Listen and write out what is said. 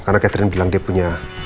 karena catherine bilang dia punya